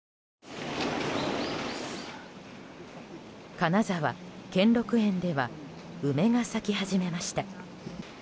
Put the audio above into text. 金沢・兼六園では梅が咲き始めました。